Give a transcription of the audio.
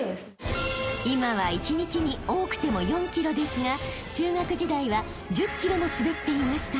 ［今は１日に多くても４ｋｍですが中学時代は１０ｋｍも滑っていました］